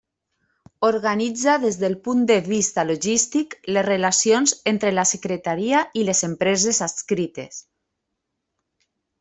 Organitza des del punt de vista logístic les relacions entre la Secretaria i les empreses adscrites.